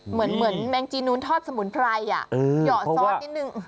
เหมือนแมงจีนูลทอดสมุนไพรย่าเหอะซอสนิดหนึ่ง